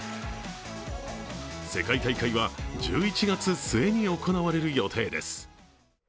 世界大会は１１月末に行われる予定です。